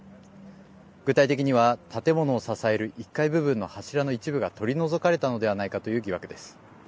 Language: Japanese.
具体的には建物を支える１階部分の柱の一部が取り除かれたのではないかという疑惑です。